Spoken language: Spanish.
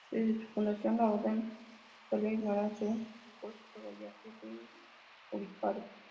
Desde su fundación, la orden solía ignorar su supuesto vasallaje al obispado.